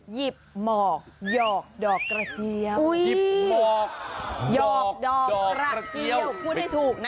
หยิบหมอกหยอกดอกกระเจียวหยิบหมอกหยอกดอกกระเจี้ยวพูดให้ถูกนะ